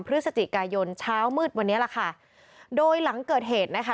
พฤศจิกายนเช้ามืดวันนี้แหละค่ะโดยหลังเกิดเหตุนะคะ